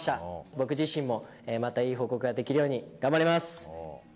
僕自身もいい報告ができるように頑張ります！